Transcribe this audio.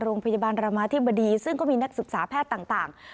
โรงพยาบาลรามาธิบดีซึ่งก็มีนักศึกษาแพทย์ต่าง